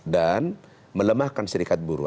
dan melemahkan serikat buruh